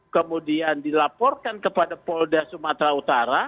kemudian dilaporkan kepada polda sumatera utara